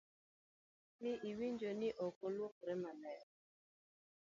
Ni winjo ni ok oluokre maler?